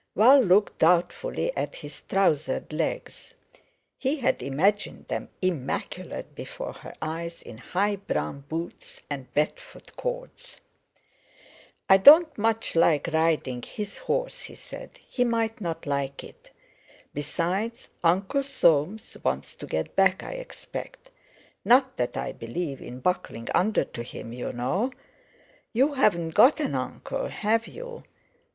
Val looked doubtfully at his trousered legs. He had imagined them immaculate before her eyes in high brown boots and Bedford cords. "I don't much like riding his horse," he said. "He mightn't like it. Besides, Uncle Soames wants to get back, I expect. Not that I believe in buckling under to him, you know. You haven't got an uncle, have you?